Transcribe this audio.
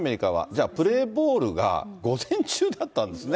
じゃあ、プレーボールが午前中だったんですね。